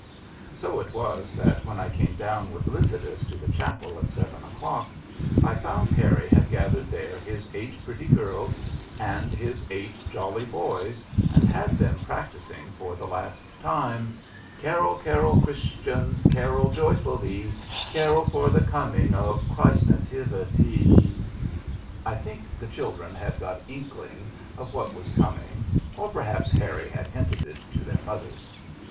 So it was that when I came down with Lycidas to the chapel at seven o'clock, I found Harry had gathered there his eight pretty girls and his eight jolly boys, and had them practising for the last time, "Carol, carol, Christians, Carol joyfully; Carol for the coming Of Christ's nativity." I think the children had got inkling of what was coming, or perhaps Harry had hinted it to their mothers.